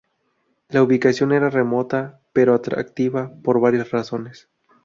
La ubicación era remota, pero atractiva por varias razones.